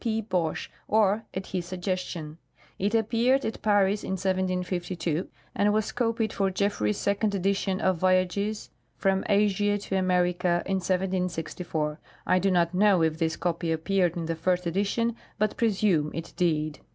P. Bauche or at his suggestion. It appeared at Paris in 1752, and was copied for Jefi'ery's second edition of voyages from Asia to America in 1764. I do not Ivnow if this copy appeared in the first edition, but presume it did."